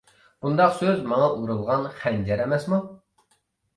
بۇنداق سۆز ماڭا ئۇرۇلغان خەنجەر ئەمەسمۇ.